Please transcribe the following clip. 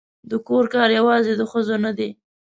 د کور کار یوازې د ښځو نه دی